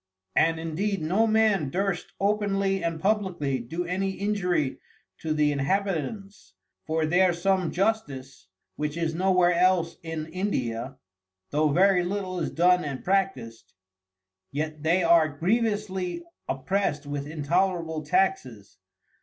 And indeed no Man durst openly and publickly do any injury to the Inhabitants; for there some Justice, (which is no where else in India) though very little is done and practiced; yet they are grievously opprest with intolerable Taxes.